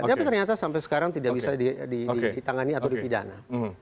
tapi ternyata sampai sekarang tidak bisa ditangani atau dipidana